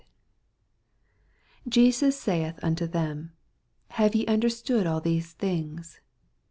61 JesuB saith unto them, Have ye anderstood all these thinjeps?